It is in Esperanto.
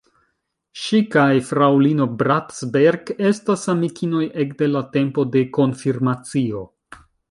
Ŝi kaj fraŭlino Bratsberg estas amikinoj ekde la tempo de konfirmacio.